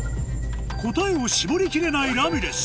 答えを絞り切れないラミレス